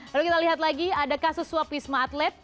lalu kita lihat lagi ada kasus swab wisma atlet